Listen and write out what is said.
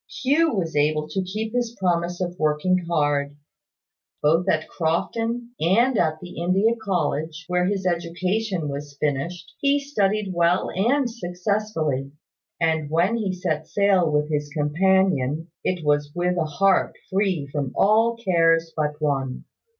Hugh was able to keep his promise of working hard. Both at Crofton and at the India College, where his education was finished, he studied well and successfully; and when he set sail with his companion, it was with a heart free from all cares but one.